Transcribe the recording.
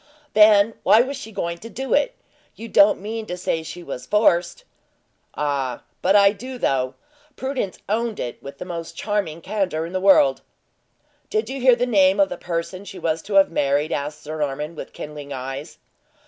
"Then why was she going to do it? You don't mean to say she was forced?" "Ah, but I do, though! Prudence owned it with the most charming candor in the world." "Did you hear the name of the person she was to have married?" asked Sir Norman, with kindling eyes.